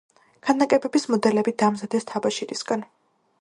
ქანდაკებების მოდელები დაამზადეს თაბაშირისაგან.